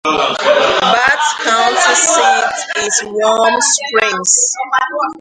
Bath's county seat is Warm Springs.